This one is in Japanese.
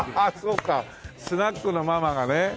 そうかスナックのママがね。